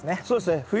そうですね。